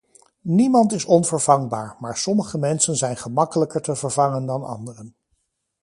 Niemand is onvervangbaar, maar sommige mensen zijn gemakkelijker te vervangen dan anderen.